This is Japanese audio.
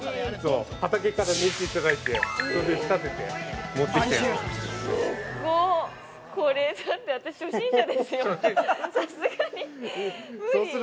◆畑から抜いていただいて仕立てて、持ってきたやつです。